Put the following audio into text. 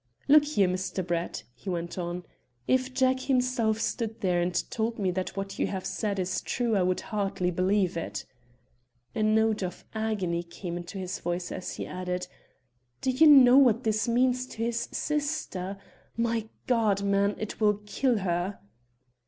"Look here, Mr. Brett," he went on, "if Jack himself stood there and told me that what you have said is true I would hardly believe it." A note of agony came into his voice, as he added: "Do you know what this means to his sister? My God, man, it will kill her!"